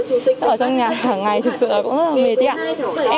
ở trong nhà hàng ngày thật sự là mệt